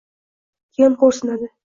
Keyin xo‘rsinadi.